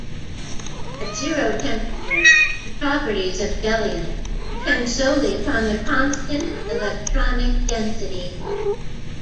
At zero temperature, the properties of jellium depend solely upon the constant electronic density.